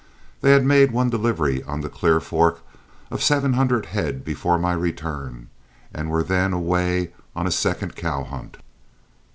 They had made one delivery on the Clear Fork of seven hundred head before my return, and were then away on a second cow hunt.